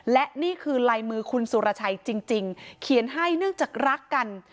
และนี่คือลายมือคุณสุรชัยจริงเขียนให้เนื่องจากรักกัน